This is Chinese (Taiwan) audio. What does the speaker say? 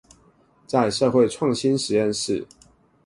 在社會創新實驗室